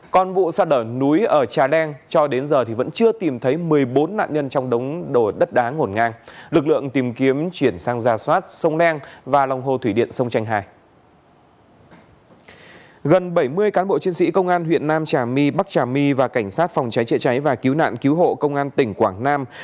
còn vụ sạt lỡ núi ở trà đen cho đến giờ vẫn chưa tìm thấy một mươi bốn nạn nhân trong đống đổ đất đá ngổn ngang